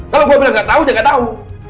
kalau gua bilang gak tahu jangan gak tahu